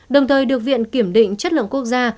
đồng thời được viện kiểm định chất lượng quốc gia